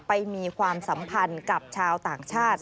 มีความสัมพันธ์กับชาวต่างชาติ